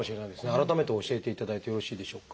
改めて教えていただいてよろしいでしょうか？